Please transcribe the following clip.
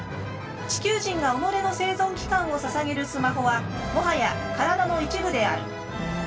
地球人が己の生存期間をささげるスマホはもはや体の一部である。